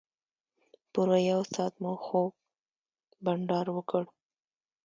پوره یو ساعت مو خوږ بنډار وکړ.